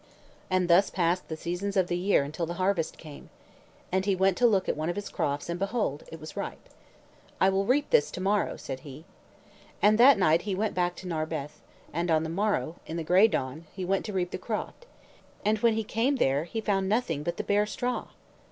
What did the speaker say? And thus passed the seasons of the year until the harvest came. And he went to look at one of his crofts, and, behold, it was ripe. "I will reap this to morrow," said he. And that night he went back to Narberth, and on the morrow, in the gray dawn, he went to reap the croft; and when he came there, he found nothing but the bare straw.